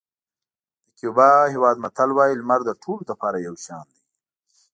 د کیوبا هېواد متل وایي لمر د ټولو لپاره یو شان دی.